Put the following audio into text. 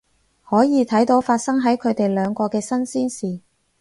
可以睇到發生喺佢哋兩個嘅新鮮事